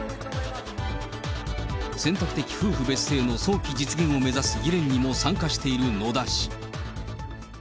選択的夫婦別姓の早期実現を目指す議連にも参加している野田氏。